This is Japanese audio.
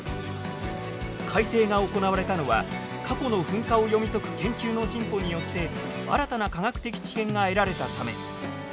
改定が行われたのは過去の噴火を読み解く研究の進歩によって新たな科学的知見が得られたため。